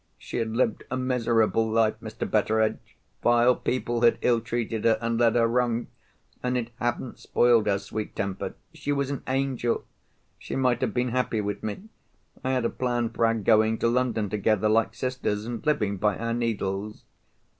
"She had lived a miserable life, Mr. Betteredge—vile people had ill treated her and led her wrong—and it hadn't spoiled her sweet temper. She was an angel. She might have been happy with me. I had a plan for our going to London together like sisters, and living by our needles.